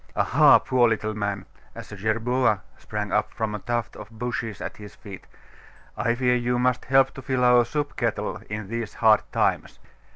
Aha, poor little man!' as a jerboa sprang up from a tuft of bushes at his feet 'I fear you must help to fill our soup kettle in these hard times.